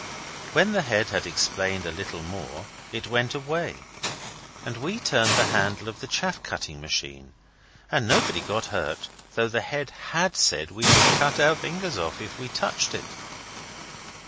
When the head had explained a little more it went away, and we turned the handle of the chaff cutting machine, and nobody got hurt, though the head HAD said we should cut our fingers off if we touched it.